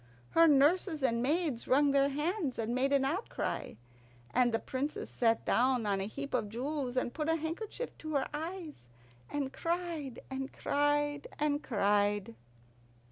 Her nurses and maids wrung their hands and made an outcry, and the Princess sat down on a heap of jewels, and put a handkerchief to her eyes, and cried and cried and cried.